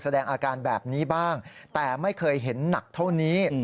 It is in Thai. แสดงอาการแบบนี้บ้างแต่ไม่เคยเห็นหนักเท่านี้